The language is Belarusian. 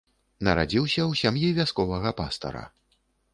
Нарадзіўся ў сям'і вясковага пастара.